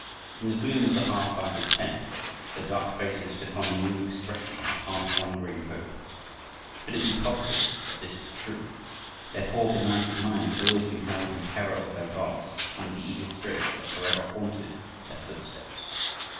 In the gloom of the half lighted tent their dark faces took on a new expression of half wondering hope. Could it be possible that this was true? Their poor, benighted minds had always been held in terror of their gods and of the evil spirits that forever haunted their footsteps.